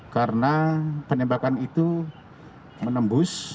karena penembakan itu menembus